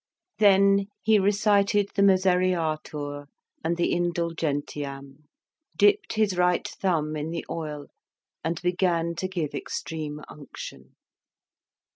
Then he recited the Misereatur and the Indulgentiam, dipped his right thumb in the oil, and began to give extreme unction.